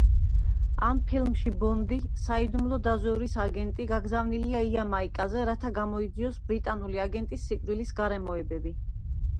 ამ ფილმში ბონდი, საიდუმლო დაზვერვის აგენტი, გაგზავნილია იამაიკაზე, რათა გამოიძიოს ბრიტანელი აგენტის სიკვდილის გარემოებები.